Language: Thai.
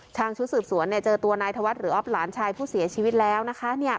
ชางชุดสืบสวนเนี้ยเจอตัวนายธวรรษหรือออบหลานชายผู้เสียชีวิตแล้วนะคะเนี้ย